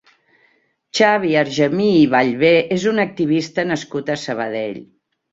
Xavi Argemí i Ballbè és un activista nascut a Sabadell.